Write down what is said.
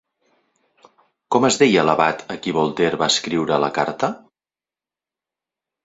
Com es deia l'abat a qui Voltaire va escriure la carta?